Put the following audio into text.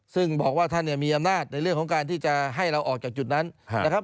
ซึ่งบอกว่าท่านเนี่ยมีอำนาจในเรื่องของการที่จะให้เราออกจากจุดนั้นนะครับ